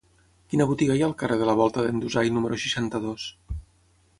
Quina botiga hi ha al carrer de la Volta d'en Dusai número seixanta-dos?